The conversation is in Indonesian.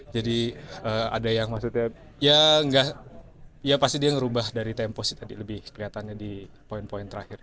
jadi ada yang maksudnya ya enggak ya pasti dia ngerubah dari tempo sih tadi lebih kelihatannya di poin poin terakhir